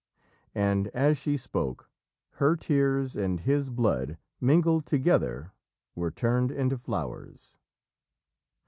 And, as she spoke, her tears and his blood, mingling together, were turned into flowers.